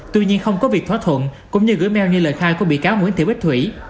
tuy nhiên không có việc thỏa thuận cũng như gửi meo như lời khai của bị cáo nguyễn thị bích thủy